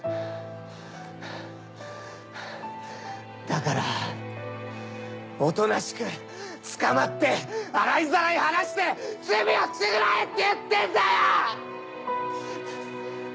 だからおとなしく捕まって洗いざらい話して罪を償えって言ってんだよ！